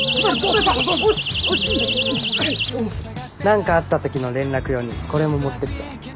何かあった時の連絡用にこれも持ってって。